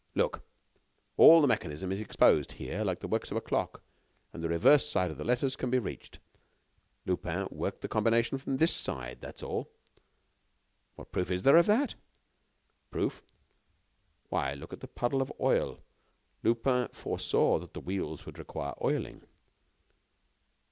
"Look! All the mechanism is exposed here, like the works of a clock, and the reverse side of the letters can be reached. Lupin worked the combination from this side that is all." "What proof is there of that?" "Proof? Why, look at that puddle of oil. Lupin foresaw that the wheels would require oiling."